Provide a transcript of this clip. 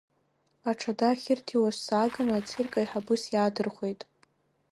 Аҽада ахьырҭиуаз сааганы, ацирк аиҳабы сиаадырхәеит.